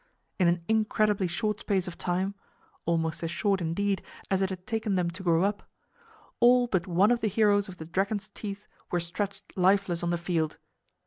In an incredibly short space of time (almost as short, indeed, as it had taken them to grow up) all but one of the heroes of the dragon's teeth were stretched lifeless on the field.